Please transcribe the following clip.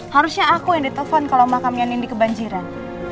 harusnya aku yang ditelepon kalau makam nia nindi kebanjiran